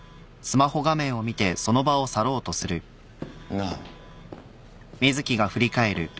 なあ。